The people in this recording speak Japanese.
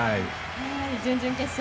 準々決勝